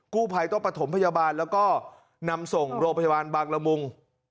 กู้ภัยต้องประถมพยาบาลแล้วก็นำส่งโรงพยาบาลบางละมุง